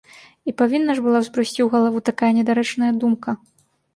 І павінна ж была ўзбрысці ў галаву такая недарэчная думка!